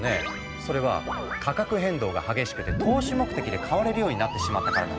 それは価格変動が激しくて投資目的で買われるようになってしまったからなんだ。